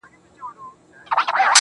هغه به چيري اوسي باران اوري، ژلۍ اوري_